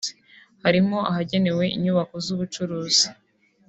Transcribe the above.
harimo ahagenewe inyubako z’ubucuruzi